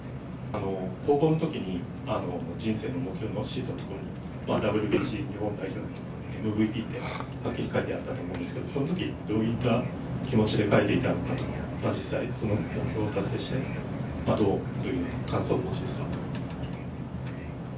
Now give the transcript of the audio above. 高校のときに、人生の目標シートのところに、ＷＢＣ日本代表ＭＶＰってはっきり書いてあったと思うんですけれども、そのときどういった気持ちで書いていた、実際、達成して、どういう感想をお持ちですか。